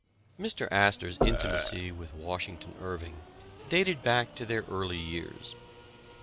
Mr. Astor's intimacy with Washington Irving dated back to their early years.